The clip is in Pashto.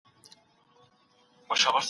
ایا دا وینا د عقل له نظره سمه ده؟